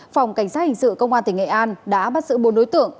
phòng cảnh sát hình sự công an tỉnh nghệ an đã bắt giữ bốn đối tượng